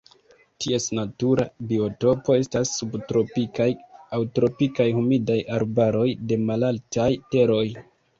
Ties natura biotopo estas subtropikaj aŭ tropikaj humidaj arbaroj de malaltaj teroj.